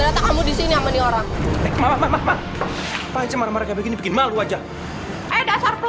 ternyata kamu disini